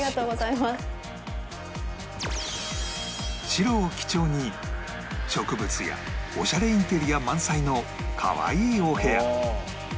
白を基調に植物やおしゃれインテリア満載のかわいいお部屋